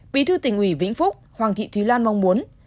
bí thư tỉnh ủy vĩnh phúc hoàng thị thúy lan mong muốn